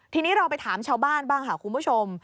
ทีนี้เราไปถามชาวบ้านบ้างค่ะคุณผู้ชม